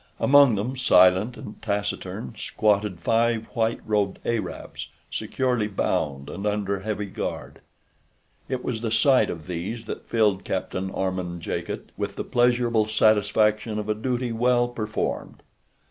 Among them, silent and taciturn, squatted five white robed Arabs, securely bound and under heavy guard. It was the sight of these that filled Captain Armand Jacot with the pleasurable satisfaction of a duty well performed.